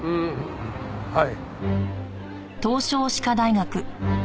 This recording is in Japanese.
はい。